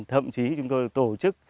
thậm chí chúng tôi tổ chức